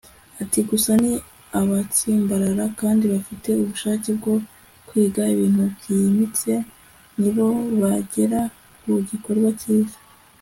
ati gusa ni abatsimbarara kandi bafite ubushake bwo kwiga ibintu byimbitse, ni bo bagera ku gikorwa cyiza